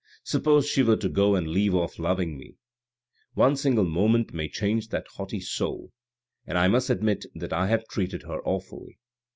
"Suppose she were to go and leave off loving me ! One single moment may change that haughty soul, and I must admit that I have treated her awfully."